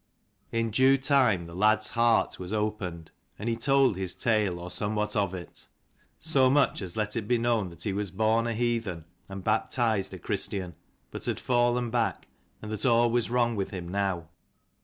In due time the lad's heart was opened, and he told his tale, or somewhat of it ; so much as let it be known that he was born a heathen and baptised a Christian, but had fallen back ; and that all was wrong with him now.